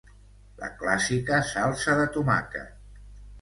la clàssica salsa de tomàquet